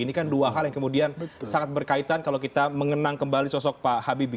ini kan dua hal yang kemudian sangat berkaitan kalau kita mengenang kembali sosok pak habibie